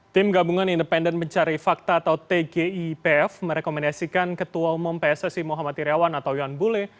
tim gabungan independen mencari fakta atau tgipf merekomendasikan ketua umum pssi muhammad iryawan atau yon bule